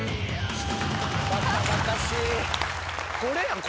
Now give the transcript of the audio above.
これやん。